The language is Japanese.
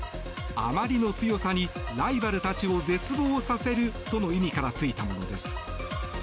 あまりの強さにライバルたちを絶望させるとの意味からついたものです。